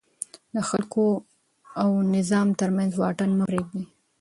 د خلکو او نظام ترمنځ واټن مه پرېږدئ.